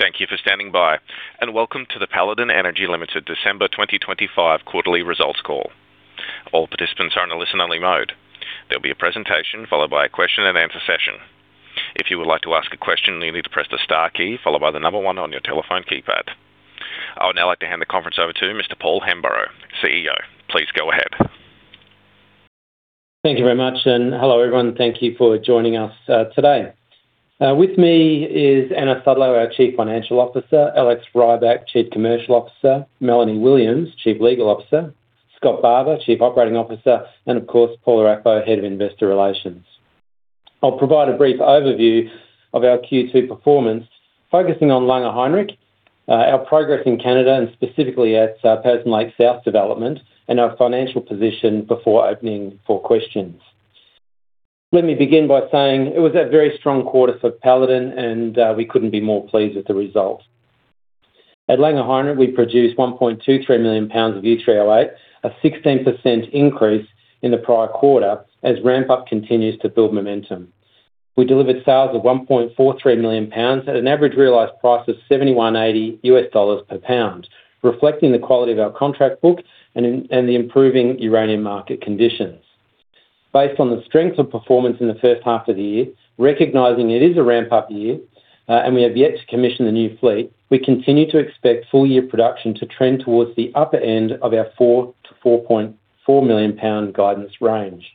Thank you for standing by, and welcome to the Paladin Energy Limited December 2025 quarterly results call. All participants are in a listen-only mode. There'll be a presentation followed by a question-and-answer session. If you would like to ask a question, you need to press the star key followed by the number one on your telephone keypad. I would now like to hand the conference over to Mr. Paul Hemburrow, CEO. Please go ahead. Thank you very much, and hello everyone. Thank you for joining us today. With me is Anna Sudlow, our Chief Financial Officer, Alex Rybak, Chief Commercial Officer, Melanie Williams, Chief Legal Officer, Scott Barber, Chief Operating Officer, and of course, Paula Raffo, Head of Investor Relations. I'll provide a brief overview of our Q2 performance, focusing on Langer Heinrich, our progress in Canada, and specifically at Patterson Lake South Development, and our financial position before opening for questions. Let me begin by saying it was a very strong quarter for Paladin, and we couldn't be more pleased with the results. At Langer Heinrich, we produced 1.23 million lbs of U3O8, a 16% increase in the prior quarter, as ramp-up continues to build momentum. We delivered sales of 1.43 million lbs at an average realized price of $7,180 per pound, reflecting the quality of our contract book and the improving uranium market conditions. Based on the strength of performance in the first half of the year, recognizing it is a ramp-up year and we have yet to commission the new fleet, we continue to expect full-year production to trend towards the upper end of our 4-4.4 million pounds guidance range.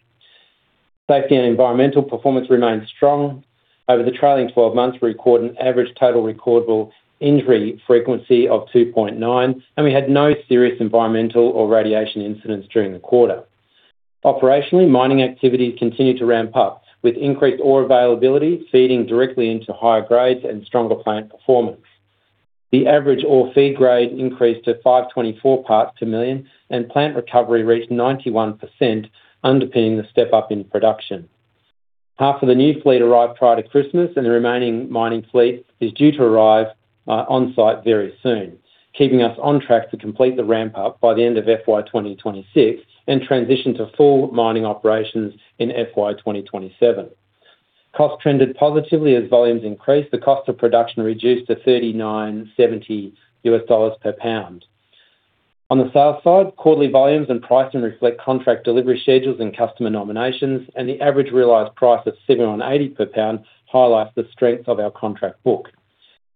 Safety and environmental performance remained strong. Over the trailing 12 months, we recorded an average Total Recordable Injury Frequency of 2.9, and we had no serious environmental or radiation incidents during the quarter. Operationally, mining activity continued to ramp up, with increased ore availability feeding directly into higher grades and stronger plant performance. The average ore feed grade increased to 524 parts per million, and plant recovery reached 91%, underpinning the step-up in production. Half of the new fleet arrived prior to Christmas, and the remaining mining fleet is due to arrive on-site very soon, keeping us on track to complete the ramp-up by the end of FY 2026 and transition to full mining operations in FY 2027. Costs trended positively as volumes increased. The cost of production reduced to $3,970 per pound. On the sales side, quarterly volumes and pricing reflect contract delivery schedules and customer nominations, and the average realized price of $780 per pound highlights the strength of our contract book.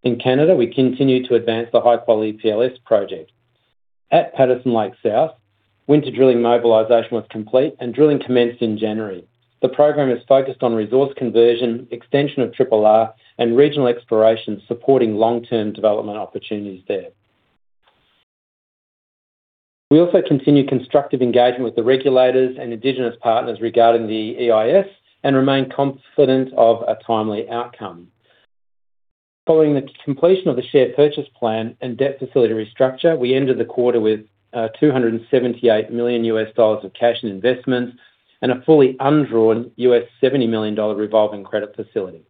In Canada, we continue to advance the high-quality PLS project. At Patterson Lake South, winter drilling mobilization was complete, and drilling commenced in January. The program is focused on resource conversion, extension of Triple R, and regional exploration, supporting long-term development opportunities there. We also continue constructive engagement with the regulators and indigenous partners regarding the EIS and remain confident of a timely outcome. Following the completion of the share purchase plan and debt facility restructure, we ended the quarter with $278 million of cash and investment and a fully undrawn $70 million revolving credit facility.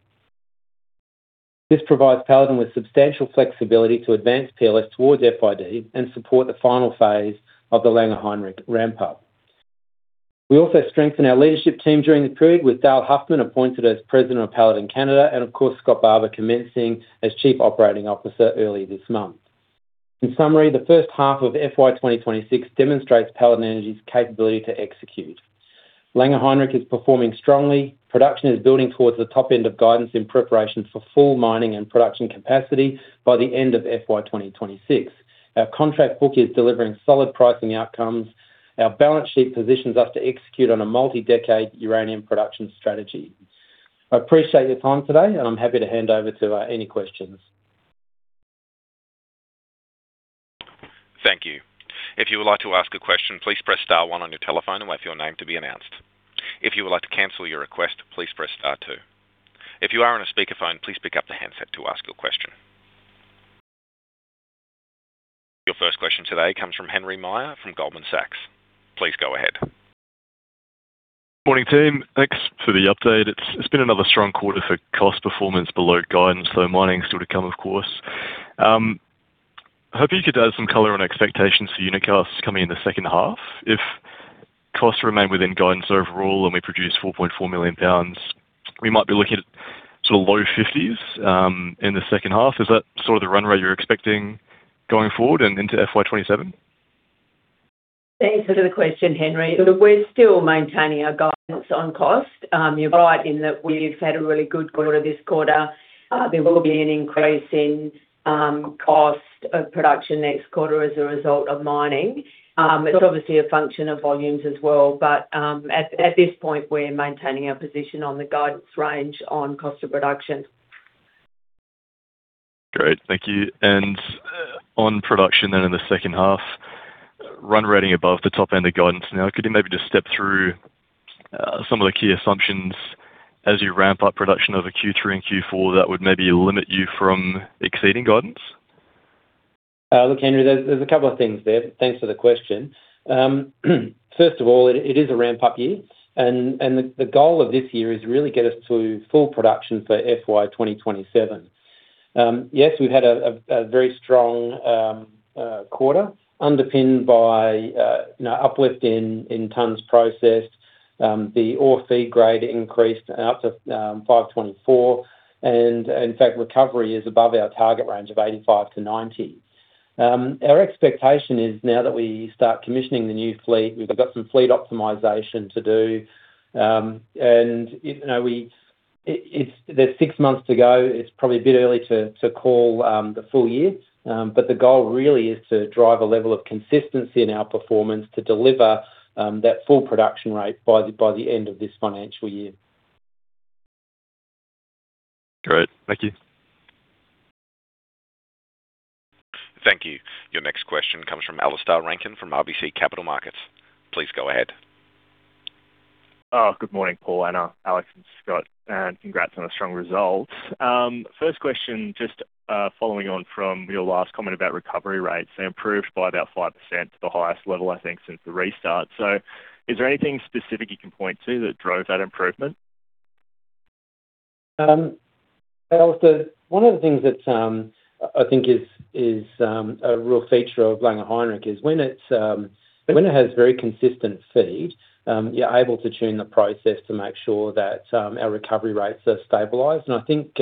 This provides Paladin with substantial flexibility to advance PLS towards FID and support the final phase of the Langer Heinrich ramp-up. We also strengthened our leadership team during this period, with Dale Huffman appointed as President of Paladin Canada and, of course, Scott Barber commencing as Chief Operating Officer early this month. In summary, the first half of FY 2026 demonstrates Paladin Energy's capability to execute. Langer Heinrich is performing strongly. Production is building towards the top end of guidance in preparation for full mining and production capacity by the end of FY 2026. Our contract book is delivering solid pricing outcomes. Our balance sheet positions us to execute on a multi-decade uranium production strategy. I appreciate your time today, and I'm happy to hand over to any questions. Thank you. If you would like to ask a question, please press star one on your telephone and wait for your name to be announced. If you would like to cancel your request, please press star two. If you are on a speakerphone, please pick up the handset to ask your question. Your first question today comes from Henry Meyer from Goldman Sachs. Please go ahead. Morning, team. Thanks for the update. It's been another strong quarter for cost performance below guidance, though mining's still to come, of course. I hope you could add some color on expectations for unit costs coming in the second half. If costs remain within guidance overall and we produce 4.4 million pounds, we might be looking at sort of low 50s in the second half. Is that sort of the run rate you're expecting going forward and into FY 27? Thanks for the question, Henry. We're still maintaining our guidance on cost. You're right in that we've had a really good quarter this quarter. There will be an increase in cost of production next quarter as a result of mining. It's obviously a function of volumes as well, but at this point, we're maintaining our position on the guidance range on cost of production. Great. Thank you. And on production then in the second half, run rating above the top end of guidance now. Could you maybe just step through some of the key assumptions as you ramp up production over Q3 and Q4 that would maybe limit you from exceeding guidance? Look, Henry, there's a couple of things there. Thanks for the question. First of all, it is a ramp-up year, and the goal of this year is really to get us to full production for FY 2027. Yes, we've had a very strong quarter, underpinned by uplift in tons processed. The ore feed grade increased up to 524, and in fact, recovery is above our target range of 85%-90%. Our expectation is now that we start commissioning the new fleet, we've got some fleet optimization to do, and there's six months to go. It's probably a bit early to call the full year, but the goal really is to drive a level of consistency in our performance to deliver that full production rate by the end of this financial year. Great. Thank you. Thank you. Your next question comes from Alastair Rankin from RBC Capital Markets. Please go ahead. Good morning, Paul, Anna, Alex, and Scott. Congrats on a strong result. First question, just following on from your last comment about recovery rates, they improved by about 5%, the highest level I think since the restart. So is there anything specific you can point to that drove that improvement? Alastair, one of the things that I think is a real feature of Langer Heinrich is when it has very consistent feed, you're able to tune the process to make sure that our recovery rates are stabilized, and I think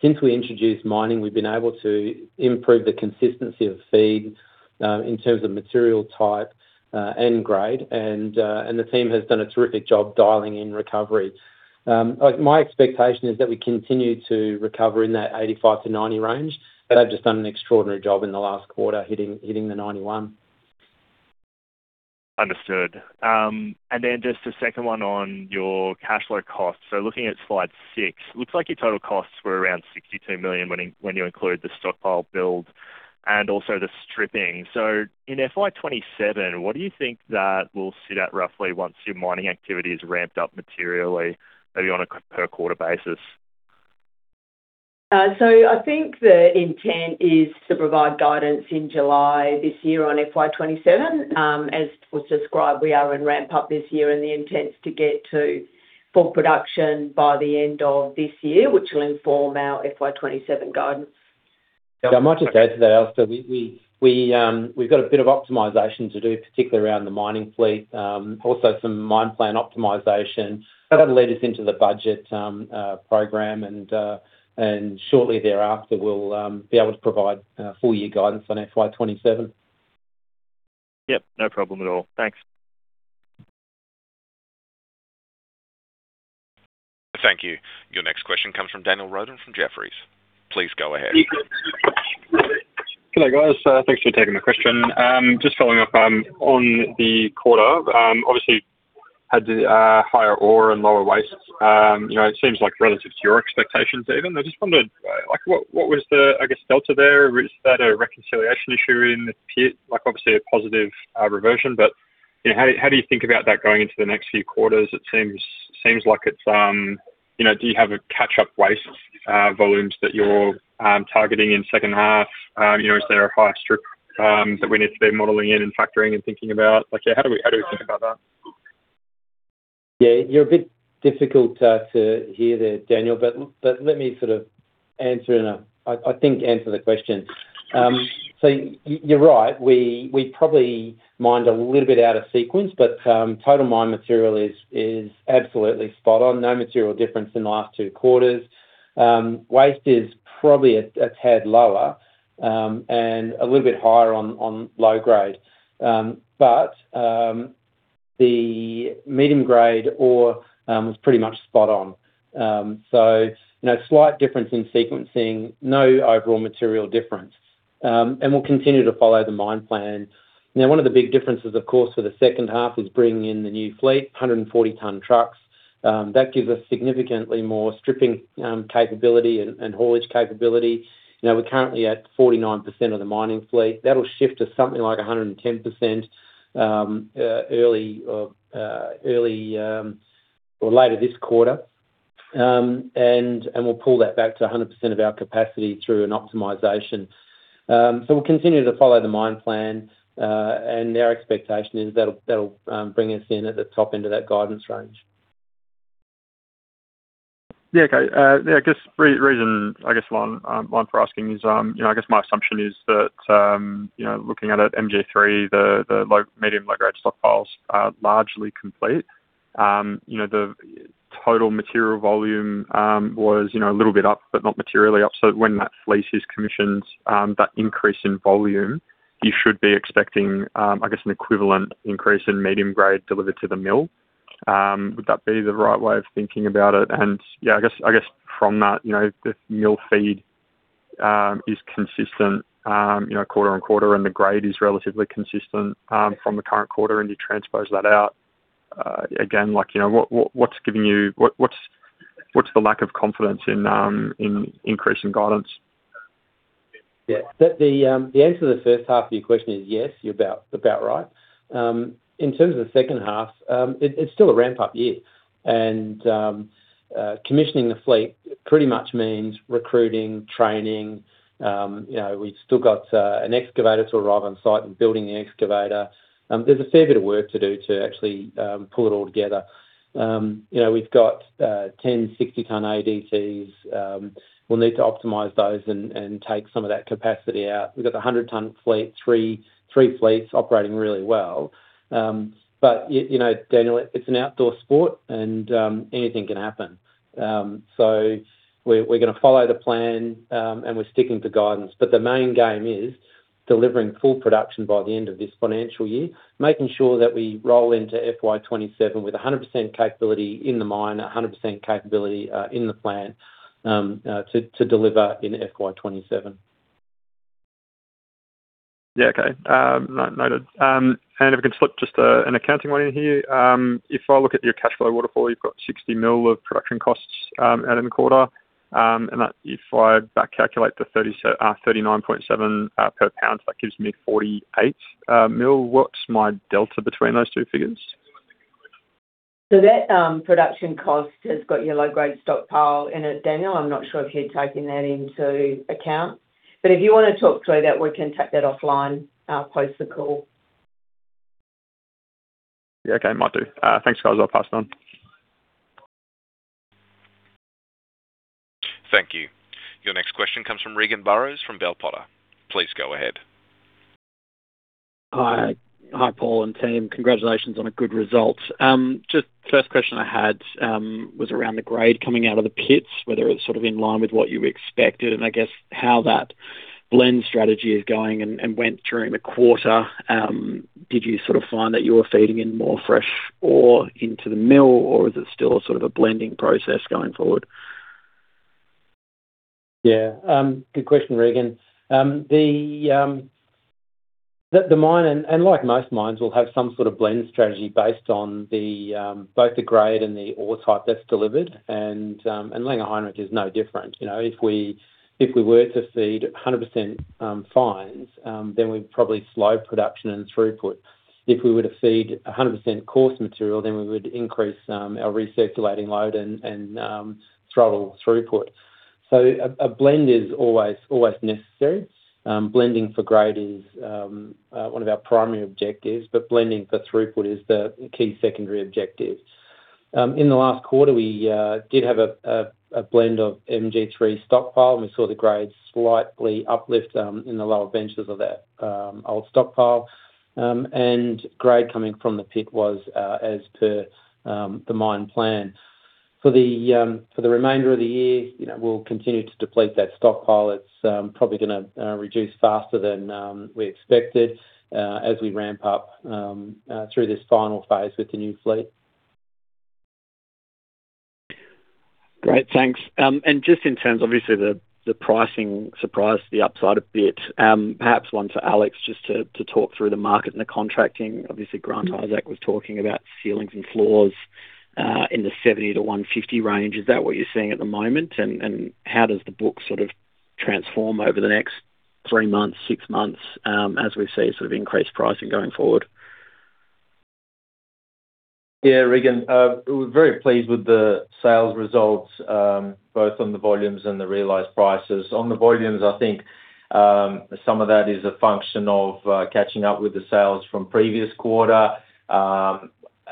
since we introduced mining, we've been able to improve the consistency of feed in terms of material type and grade, and the team has done a terrific job dialing in recovery. My expectation is that we continue to recover in that 85%-90% range. They've just done an extraordinary job in the last quarter, hitting the 91%. Understood. And then just a second one on your cash flow costs. So looking at slide six, it looks like your total costs were around $62 million when you include the stockpile build and also the stripping. So in FY 27, what do you think that will sit at roughly once your mining activity has ramped up materially, maybe on a per quarter basis? I think the intent is to provide guidance in July this year on FY 27. As was described, we are in ramp-up this year, and the intent is to get to full production by the end of this year, which will inform our FY 27 guidance. I might just add to that, Alastair. We've got a bit of optimization to do, particularly around the mining fleet, also some mine plan optimization. That'll lead us into the budget program, and shortly thereafter, we'll be able to provide full-year guidance on FY 27. Yep, no problem at all. Thanks. Thank you. Your next question comes from Daniel Roden from Jefferies. Please go ahead. Hello, guys. Thanks for taking my question. Just following up on the quarter, obviously had higher ore and lower waste. It seems like relative to your expectations even. I just wondered, what was the, I guess, delta there? Is that a reconciliation issue in the pit? Obviously, a positive reversion, but how do you think about that going into the next few quarters? It seems like it's do you have a catch-up waste volumes that you're targeting in second half? Is there a higher strip that we need to be modeling in and factoring and thinking about? How do we think about that? Yeah, you're a bit difficult to hear there, Daniel, but let me sort of answer, I think, answer the question. So you're right. We probably mined a little bit out of sequence, but total mine material is absolutely spot on. No material difference in the last two quarters. Waste is probably a tad lower and a little bit higher on low grade, but the medium grade ore was pretty much spot on. So slight difference in sequencing, no overall material difference, and we'll continue to follow the mine plan. Now, one of the big differences, of course, for the second half is bringing in the new fleet, 140-ton trucks. That gives us significantly more stripping capability and haulage capability. We're currently at 49% of the mining fleet. That'll shift to something like 110% early or later this quarter, and we'll pull that back to 100% of our capacity through an optimization. So we'll continue to follow the mine plan, and our expectation is that'll bring us in at the top end of that guidance range. Yeah, okay. Yeah, I guess one reason for asking is, I guess my assumption is that looking at MG3, the medium- and low-grade stockpiles are largely complete. The total material volume was a little bit up, but not materially up. So when that fleet is commissioned, that increase in volume, you should be expecting, I guess, an equivalent increase in medium grade delivered to the mill. Would that be the right way of thinking about it? And yeah, I guess from that, if mill feed is consistent quarter on quarter and the grade is relatively consistent from the current quarter and you transpose that out, again, what's giving you the lack of confidence in increasing guidance? Yeah, the answer to the first half of your question is yes, you're about right. In terms of the second half, it's still a ramp-up year, and commissioning the fleet pretty much means recruiting, training. We've still got an excavator to arrive on site and building the excavator. There's a fair bit of work to do to actually pull it all together. We've got 10 60-ton ADTs. We'll need to optimize those and take some of that capacity out. We've got the 100-ton fleet, three fleets operating really well. But Daniel, it's an outdoor sport, and anything can happen. So we're going to follow the plan, and we're sticking to guidance. But the main game is delivering full production by the end of this financial year, making sure that we roll into FY 27 with 100% capability in the mine, 100% capability in the plant to deliver in FY 27. Yeah, okay. Noted. And if we can slip just an accounting one in here. If I look at your cash flow waterfall, you've got $60 million of production costs out in the quarter. And if I back-calculate the $39.7 per pound, that gives me $48 million. What's my delta between those two figures? So that production cost has got your low-grade stockpile in it, Daniel. I'm not sure if you're taking that into account. But if you want to talk through that, we can take that offline post the call. Yeah, okay. Might do. Thanks, guys. I'll pass it on. Thank you. Your next question comes from Regan Burrows from Bell Potter. Please go ahead. Hi, Paul and team. Congratulations on a good result. Just first question I had was around the grade coming out of the pits, whether it's sort of in line with what you expected and I guess how that blend strategy is going and went during the quarter. Did you sort of find that you were feeding in more fresh ore into the mill, or is it still sort of a blending process going forward? Yeah, good question, Regan. The mine, and like most mines, will have some sort of blend strategy based on both the grade and the ore type that's delivered, and Langer Heinrich is no different. If we were to feed 100% fines, then we'd probably slow production and throughput. If we were to feed 100% coarse material, then we would increase our recirculating load and throttle throughput, so a blend is always necessary. Blending for grade is one of our primary objectives, but blending for throughput is the key secondary objective. In the last quarter, we did have a blend of MG3 stockpile. We saw the grade slightly uplift in the lower benches of that old stockpile, and grade coming from the pit was as per the mine plan. For the remainder of the year, we'll continue to deplete that stockpile. It's probably going to reduce faster than we expected as we ramp up through this final phase with the new fleet. Great, thanks. And just in terms of, obviously, the pricing surprised the upside a bit. Perhaps one for Alex just to talk through the market and the contracting. Obviously, Grant Isaac was talking about ceilings and floors in the 70 to 150 range. Is that what you're seeing at the moment? And how does the book sort of transform over the next three months, six months as we see sort of increased pricing going forward? Yeah, Regan, we're very pleased with the sales results, both on the volumes and the realized prices. On the volumes, I think some of that is a function of catching up with the sales from previous quarter.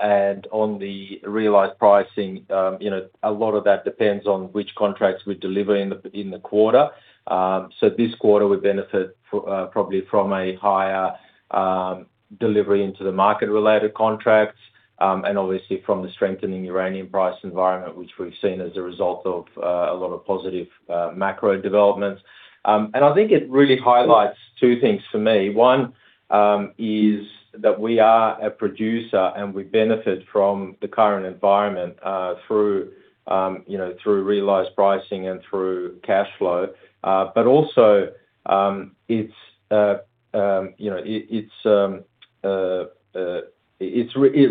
And on the realized pricing, a lot of that depends on which contracts we deliver in the quarter. So this quarter, we benefit probably from a higher delivery into the market-related contracts and obviously from the strengthening uranium price environment, which we've seen as a result of a lot of positive macro developments. And I think it really highlights two things for me. One is that we are a producer and we benefit from the current environment through realized pricing and through cash flow. But also, it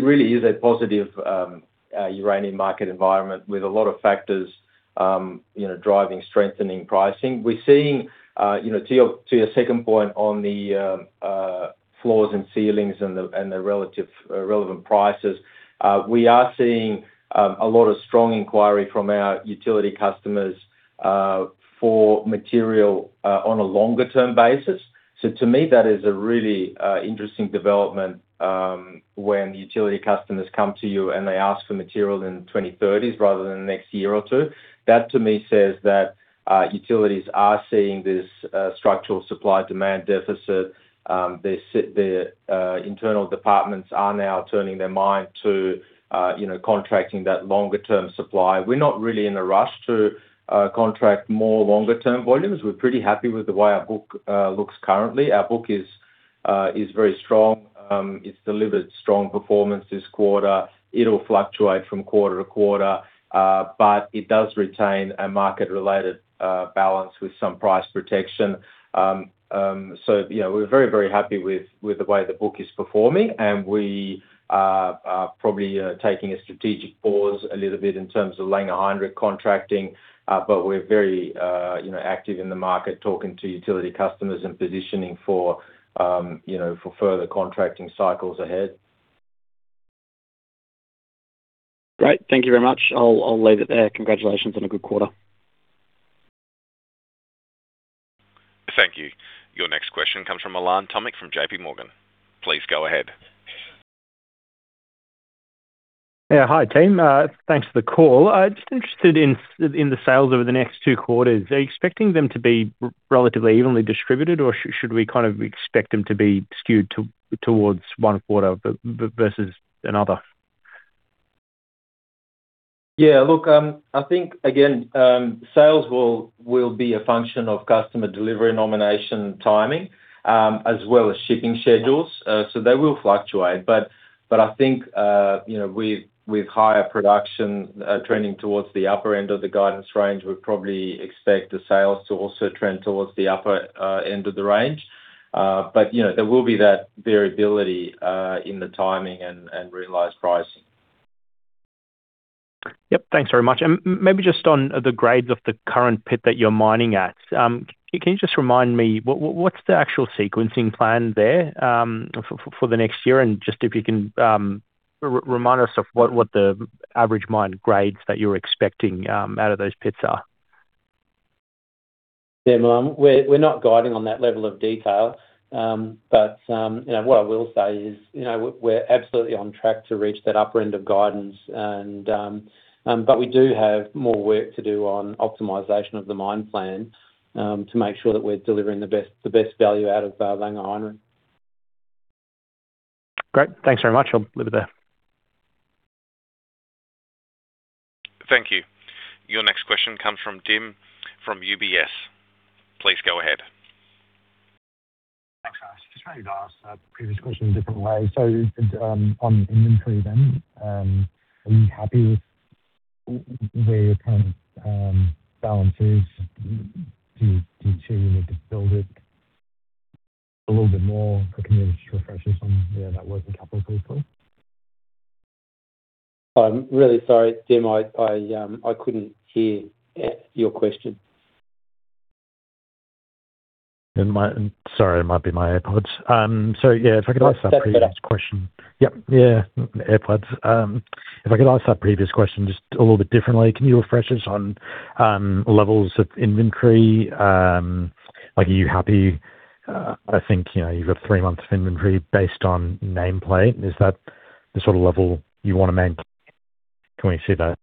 really is a positive uranium market environment with a lot of factors driving strengthening pricing. We're seeing, to your second point on the floors and ceilings and the relative relevant prices, we are seeing a lot of strong inquiry from our utility customers for material on a longer-term basis. So to me, that is a really interesting development when utility customers come to you and they ask for material in the 2030s rather than the next year or two. That, to me, says that utilities are seeing this structural supply-demand deficit. The internal departments are now turning their mind to contracting that longer-term supply. We're not really in a rush to contract more longer-term volumes. We're pretty happy with the way our book looks currently. Our book is very strong. It's delivered strong performance this quarter. It'll fluctuate from quarter to quarter, but it does retain a market-related balance with some price protection. So we're very, very happy with the way the book is performing. We are probably taking a strategic pause a little bit in terms of Langer Heinrich contracting, but we're very active in the market talking to utility customers and positioning for further contracting cycles ahead. Great. Thank you very much. I'll leave it there. Congratulations on a good quarter. Thank you. Your next question comes from Milan Tomic from JP Morgan. Please go ahead. Yeah, hi, team. Thanks for the call. Just interested in the sales over the next two quarters. Are you expecting them to be relatively evenly distributed, or should we kind of expect them to be skewed towards one quarter versus another? Yeah, look, I think, again, sales will be a function of customer delivery nomination timing as well as shipping schedules. So they will fluctuate. But I think with higher production trending towards the upper end of the guidance range, we probably expect the sales to also trend towards the upper end of the range. But there will be that variability in the timing and realized pricing. Yep, thanks very much. And maybe just on the grades of the current pit that you're mining at, can you just remind me what's the actual sequencing plan there for the next year? And just if you can remind us of what the average mine grades that you're expecting out of those pits are. Yeah, well, we're not guiding on that level of detail. But what I will say is we're absolutely on track to reach that upper end of guidance. But we do have more work to do on optimization of the mine plan to make sure that we're delivering the best value out of Langer Heinrich. Great. Thanks very much. I'll leave it there. Thank you. Your next question comes from Dim from UBS. Please go ahead. Thanks, guys. Just wanted to ask that previous question in a different way. So on inventory then, are you happy with where your current balance is? Do you feel you need to build it a little bit more? Can you just refresh us on that working capital portfolio? I'm really sorry, Dim. I couldn't hear your question. Sorry, it might be my AirPods. So yeah, if I could ask that previous question. Sounds good. Yep. Yeah. If I could ask that previous question just a little bit differently, can you refresh us on levels of inventory? Are you happy? I think you've got three months of inventory based on nameplate. Is that the sort of level you want to maintain? Can we see that?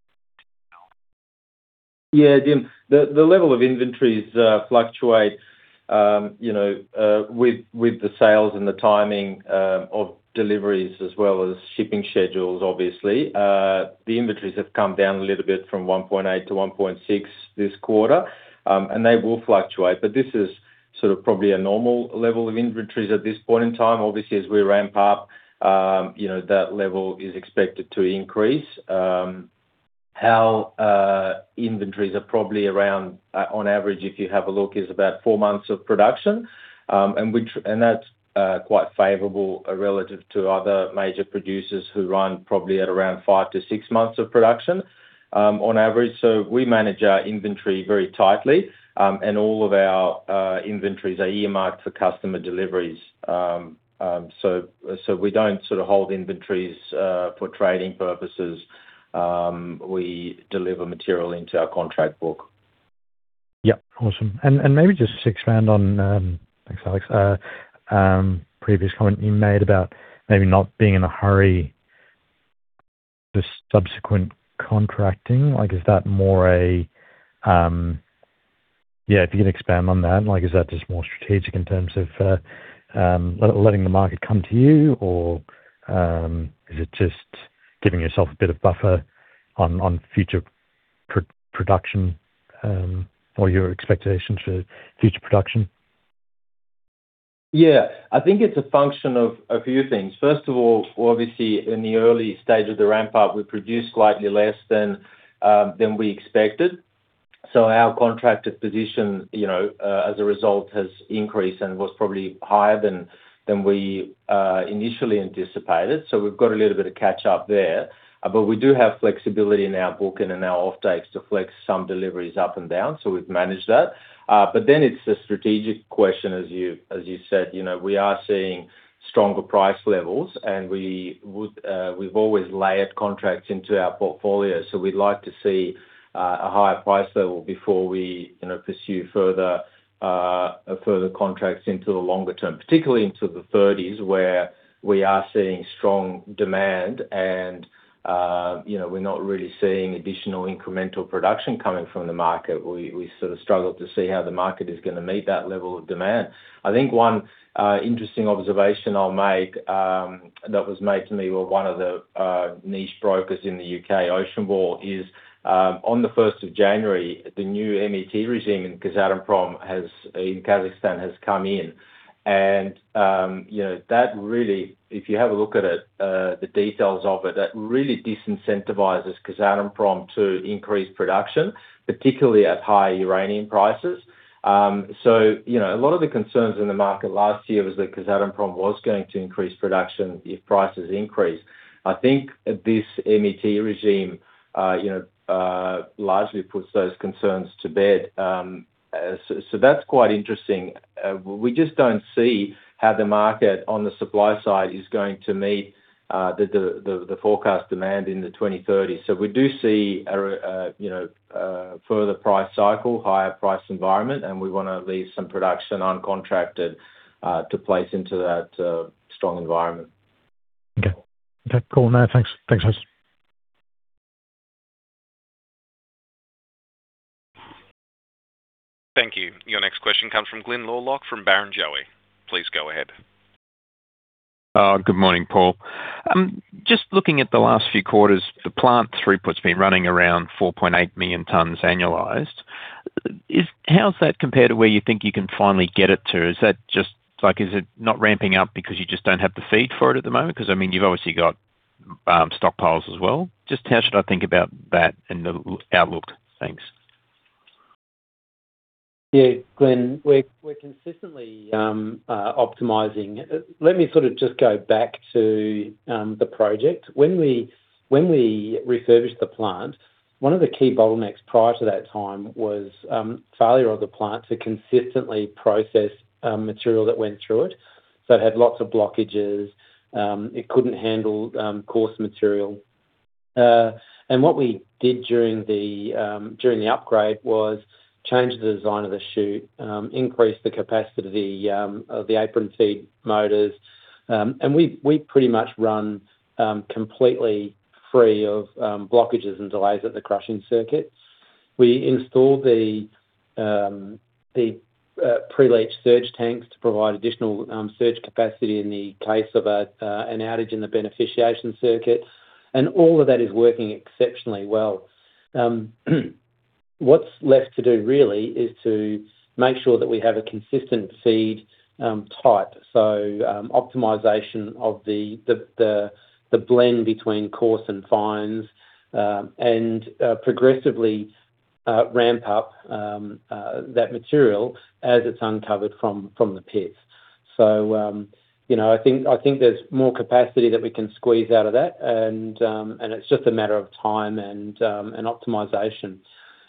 Yeah, Dim. The level of inventories fluctuate with the sales and the timing of deliveries as well as shipping schedules, obviously. The inventories have come down a little bit from 1.8 to 1.6 this quarter, and they will fluctuate. But this is sort of probably a normal level of inventories at this point in time. Obviously, as we ramp up, that level is expected to increase. Inventories are probably around, on average, if you have a look, is about four months of production. And that's quite favorable relative to other major producers who run probably at around five to six months of production on average. So we manage our inventory very tightly, and all of our inventories are earmarked for customer deliveries. So we don't sort of hold inventories for trading purposes. We deliver material into our contract book. Yep. Awesome. And maybe just to expand on, thanks, Alex, previous comment you made about maybe not being in a hurry for subsequent contracting. Is that more a - yeah, if you can expand on that, is that just more strategic in terms of letting the market come to you, or is it just giving yourself a bit of buffer on future production or your expectations for future production? Yeah, I think it's a function of a few things. First of all, obviously, in the early stage of the ramp-up, we produce slightly less than we expected. So our contracted position, as a result, has increased and was probably higher than we initially anticipated. So we've got a little bit of catch-up there. But we do have flexibility in our book and in our off-takes to flex some deliveries up and down. So we've managed that. But then it's a strategic question, as you said. We are seeing stronger price levels, and we've always layered contracts into our portfolio. So we'd like to see a higher price level before we pursue further contracts into the longer term, particularly into the 30s where we are seeing strong demand, and we're not really seeing additional incremental production coming from the market. We sort of struggle to see how the market is going to meet that level of demand. I think one interesting observation I'll make that was made to me with one of the niche brokers in the UK, Ocean Wall, is on the 1st of January, the new MET regime in Kazatomprom in Kazakhstan has come in, and that really, if you have a look at it, the details of it, that really disincentivizes Kazatomprom to increase production, particularly at high uranium prices, so a lot of the concerns in the market last year was that Kazatomprom was going to increase production if prices increased. I think this MET regime largely puts those concerns to bed, so that's quite interesting. We just don't see how the market on the supply side is going to meet the forecast demand in the 2030s. So we do see a further price cycle, higher price environment, and we want to leave some production uncontracted to place into that strong environment. Okay. Cool. No, thanks. Thanks, guys. Thank you. Your next question comes from Glyn Lawcock from Barrenjoey. Please go ahead. Good morning, Paul. Just looking at the last few quarters, the plant throughput's been running around 4.8 million tons annualized. How's that compared to where you think you can finally get it to? Is that just like is it not ramping up because you just don't have the feed for it at the moment? Because, I mean, you've obviously got stockpiles as well. Just how should I think about that and the outlook? Thanks. Yeah, Glyn, we're consistently optimizing. Let me sort of just go back to the project. When we refurbished the plant, one of the key bottlenecks prior to that time was failure of the plant to consistently process material that went through it. So it had lots of blockages. It couldn't handle coarse material. And what we did during the upgrade was change the design of the chute, increase the capacity of the apron feed motors. And we pretty much run completely free of blockages and delays at the crushing circuit. We installed the pre-leach surge tanks to provide additional surge capacity in the case of an outage in the beneficiation circuit. And all of that is working exceptionally well. What's left to do really is to make sure that we have a consistent feed type. Optimization of the blend between coarse and fines and progressively ramp up that material as it's uncovered from the pits. I think there's more capacity that we can squeeze out of that. It's just a matter of time and optimization.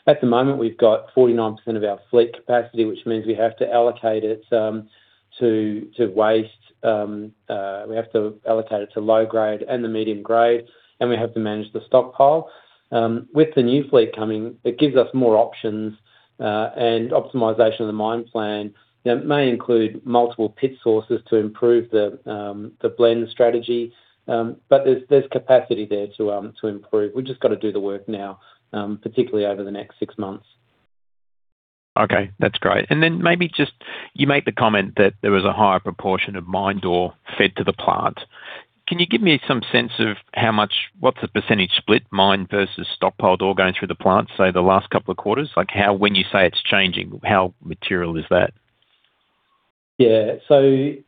At the moment, we've got 49% of our fleet capacity, which means we have to allocate it to waste. We have to allocate it to low-grade and the medium-grade, and we have to manage the stockpile. With the new fleet coming, it gives us more options. Optimization of the mine plan may include multiple pit sources to improve the blend strategy. There's capacity there to improve. We've just got to do the work now, particularly over the next six months. Okay. That's great. And then maybe just you made the comment that there was a higher proportion of mine ore fed to the plant. Can you give me some sense of how much? What's the percentage split? Mine versus stockpile ore going through the plant, say, the last couple of quarters? When you say it's changing, how material is that? Yeah. So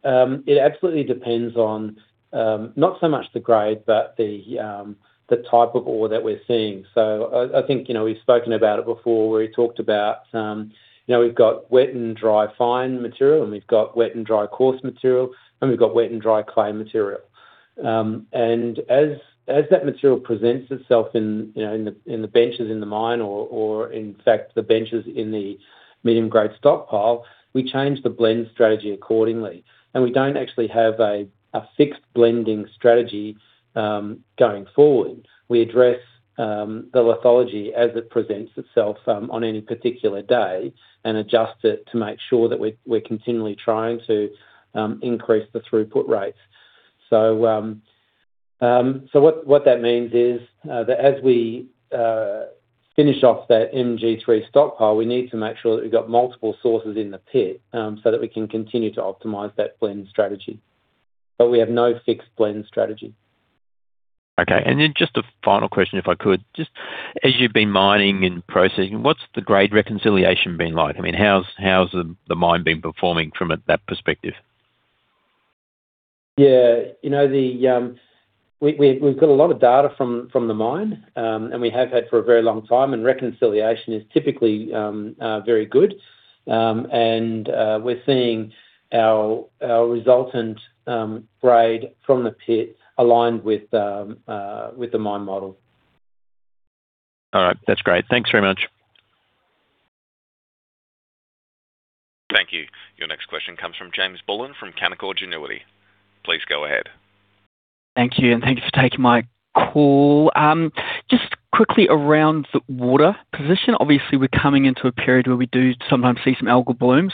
it absolutely depends on not so much the grade, but the type of ore that we're seeing. So I think we've spoken about it before. We talked about we've got wet and dry fine material, and we've got wet and dry coarse material, and we've got wet and dry clay material. And as that material presents itself in the benches in the mine or, in fact, the benches in the medium-grade stockpile, we change the blend strategy accordingly. And we don't actually have a fixed blending strategy going forward. We address the lithology as it presents itself on any particular day and adjust it to make sure that we're continually trying to increase the throughput rates. So what that means is that as we finish off that MG3 stockpile, we need to make sure that we've got multiple sources in the pit so that we can continue to optimize that blend strategy. But we have no fixed blend strategy. Okay, and then just a final question, if I could. Just as you've been mining and processing, what's the grade reconciliation been like? I mean, how's the mine been performing from that perspective? Yeah. We've got a lot of data from the mine, and we have had for a very long time, and reconciliation is typically very good, and we're seeing our resultant grade from the pit aligned with the mine model. All right. That's great. Thanks very much. Thank you. Your next question comes from James Bullen from Canaccord Genuity. Please go ahead. Thank you. And thanks for taking my call. Just quickly around the water position. Obviously, we're coming into a period where we do sometimes see some algal blooms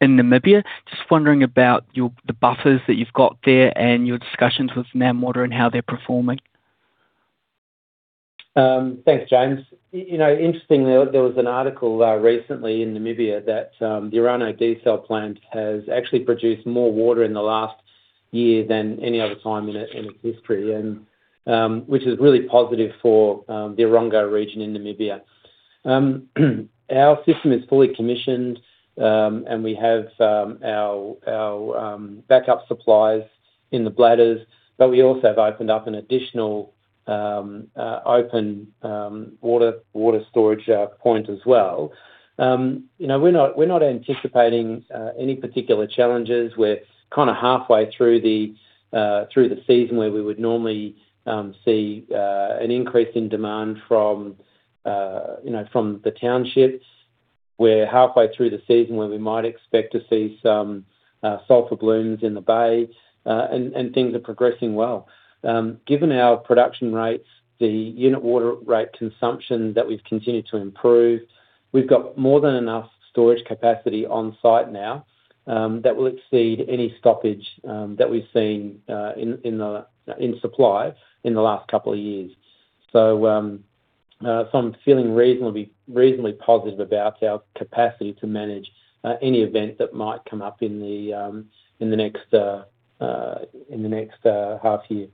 in Namibia. Just wondering about the buffers that you've got there and your discussions with NamWater and how they're performing. Thanks, James. Interestingly, there was an article recently in Namibia that the Erongo Desalination Plant has actually produced more water in the last year than any other time in its history, which is really positive for the Erongo region in Namibia. Our system is fully commissioned, and we have our backup supplies in the bladders. But we also have opened up an additional open water storage point as well. We're not anticipating any particular challenges. We're kind of halfway through the season where we would normally see an increase in demand from the townships. We're halfway through the season where we might expect to see some sulfur blooms in the bay. And things are progressing well. Given our production rates, the unit water rate consumption that we've continued to improve, we've got more than enough storage capacity on site now that will exceed any stoppage that we've seen in supply in the last couple of years. So I'm feeling reasonably positive about our capacity to manage any event that might come up in the next half year.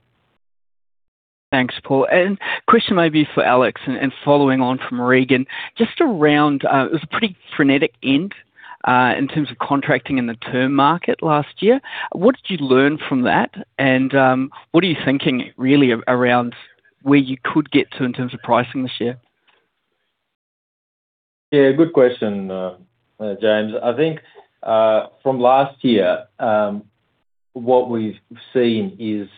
Thanks, Paul. And question maybe for Alex, following on from Regan. Just around, it was a pretty frenetic end in terms of contracting in the term market last year. What did you learn from that? And what are you thinking really around where you could get to in terms of pricing this year? Yeah. Good question, James. I think from last year, what we've seen is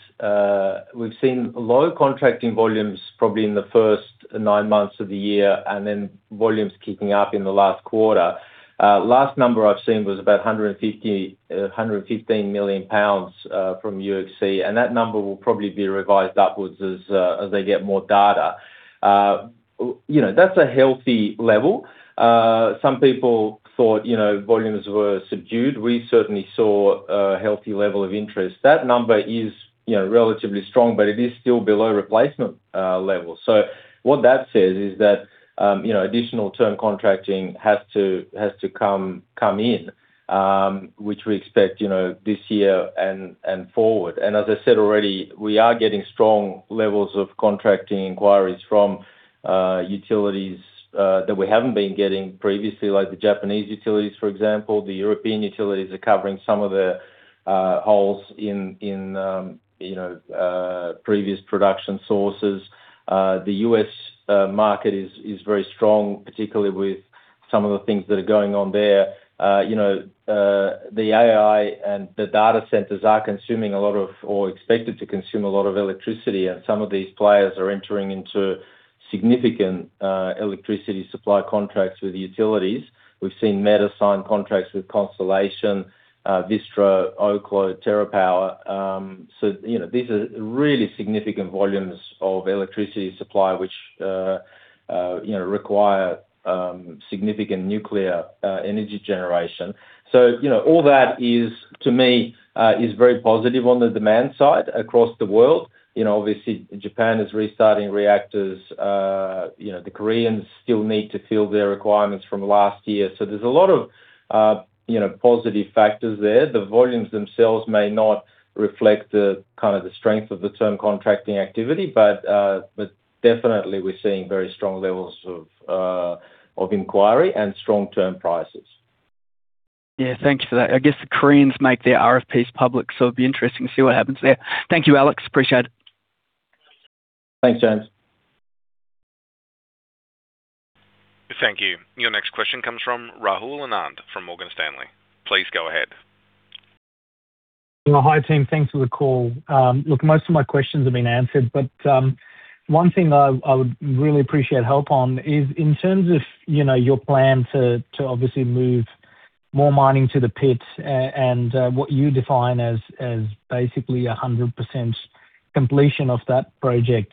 we've seen low contracting volumes probably in the first nine months of the year and then volumes kicking up in the last quarter. Last number I've seen was about 115 million pounds from UxC. And that number will probably be revised upwards as they get more data. That's a healthy level. Some people thought volumes were subdued. We certainly saw a healthy level of interest. That number is relatively strong, but it is still below replacement level. So what that says is that additional term contracting has to come in, which we expect this year and forward. And as I said already, we are getting strong levels of contracting inquiries from utilities that we haven't been getting previously, like the Japanese utilities, for example. The European utilities are covering some of the holes in previous production sources. The U.S. market is very strong, particularly with some of the things that are going on there. The AI and the data centers are consuming a lot of or expected to consume a lot of electricity. And some of these players are entering into significant electricity supply contracts with utilities. We've seen Meta signs contracts with Constellation, Vistra, Oklo, TerraPower. So these are really significant volumes of electricity supply, which require significant nuclear energy generation. So all that, to me, is very positive on the demand side across the world. Obviously, Japan is restarting reactors. The Koreans still need to fill their requirements from last year. So there's a lot of positive factors there. The volumes themselves may not reflect kind of the strength of the term contracting activity, but definitely, we're seeing very strong levels of inquiry and strong term prices. Yeah. Thank you for that. I guess the Koreans make their RFPs public, so it'd be interesting to see what happens there. Thank you, Alex. Appreciate it. Thanks, James. Thank you. Your next question comes from Rahul Anand from Morgan Stanley. Please go ahead. Hi, team. Thanks for the call. Look, most of my questions have been answered, but one thing I would really appreciate help on is in terms of your plan to obviously move more mining to the pit and what you define as basically 100% completion of that project.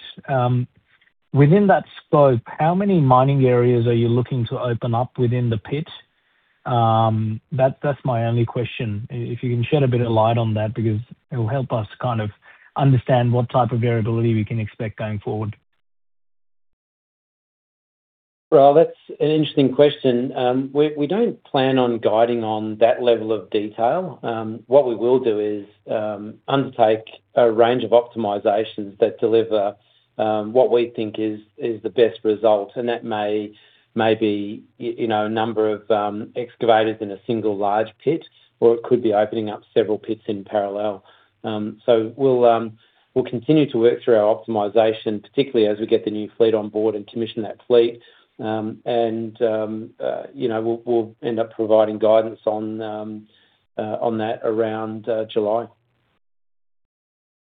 Within that scope, how many mining areas are you looking to open up within the pit? That's my only question. If you can shed a bit of light on that, because it will help us kind of understand what type of variability we can expect going forward. That's an interesting question. We don't plan on guiding on that level of detail. What we will do is undertake a range of optimizations that deliver what we think is the best result. That may be a number of excavators in a single large pit, or it could be opening up several pits in parallel. We'll continue to work through our optimization, particularly as we get the new fleet on board and commission that fleet. We'll end up providing guidance on that around July.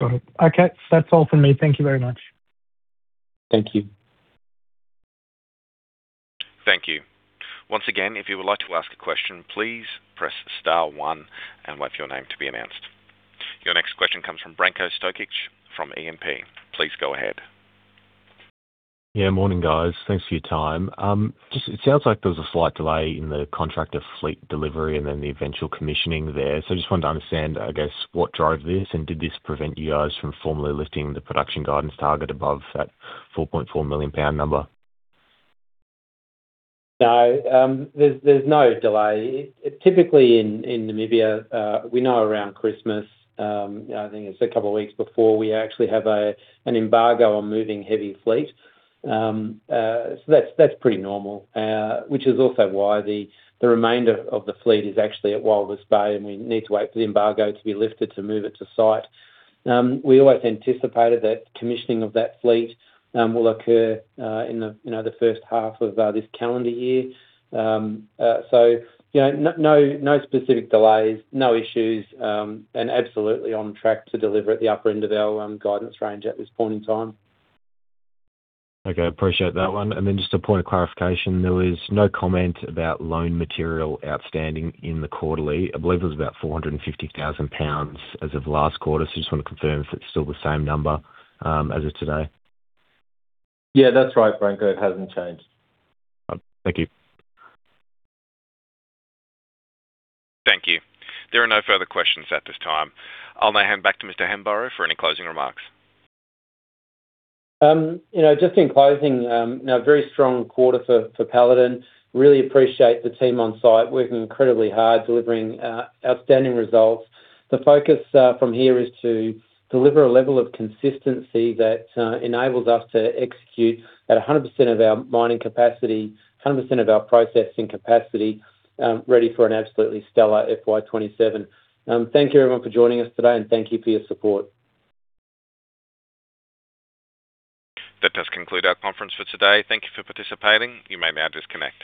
Got it. Okay. That's all from me. Thank you very much. Thank you. Thank you. Once again, if you would like to ask a question, please press star one and wait for your name to be announced. Your next question comes from Branko Stokić from AMP. Please go ahead. Yeah. Morning, guys. Thanks for your time. It sounds like there was a slight delay in the contractor fleet delivery and then the eventual commissioning there. So I just wanted to understand, I guess, what drove this? And did this prevent you guys from formally lifting the production guidance target above that 4.4 million number? No. There's no delay. Typically, in Namibia, we know around Christmas, I think it's a couple of weeks before, we actually have an embargo on moving heavy fleet. So that's pretty normal, which is also why the remainder of the fleet is actually at Walvis Bay, and we need to wait for the embargo to be lifted to move it to site. We always anticipated that commissioning of that fleet will occur in the first half of this calendar year. So no specific delays, no issues, and absolutely on track to deliver at the upper end of our guidance range at this point in time. Okay. Appreciate that one. And then just a point of clarification, there was no comment about loan material outstanding in the quarterly. I believe it was about 450,000lbs as of last quarter. So I just want to confirm if it's still the same number as of today. Yeah. That's right, Branko. It hasn't changed. Thank you. Thank you. There are no further questions at this time. I'll now hand back to Mr. Hemburrow for any closing remarks. Just in closing, a very strong quarter for Paladin. Really appreciate the team on site working incredibly hard, delivering outstanding results. The focus from here is to deliver a level of consistency that enables us to execute at 100% of our mining capacity, 100% of our processing capacity, ready for an absolutely stellar FY27. Thank you, everyone, for joining us today, and thank you for your support. That does conclude our conference for today. Thank you for participating. You may now disconnect.